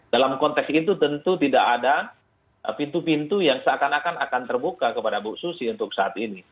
dalam konteks itu tentu tidak ada pintu pintu yang seakan akan akan terbuka kepada bu susi untuk saat ini